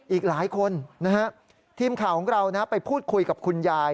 อีกหลายคนนะฮะทีมข่าวของเราไปพูดคุยกับคุณยาย